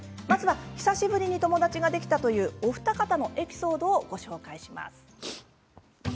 久しぶりに友達ができたというお二方のエピソードをご紹介します。